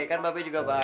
kan mbak be juga bangga